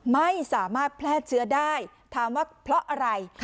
ไม่สามารถแพร่เชื้อได้ถามว่าเพราะอะไร